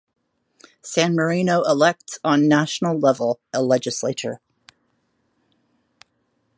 San Marino elects on national level a legislature.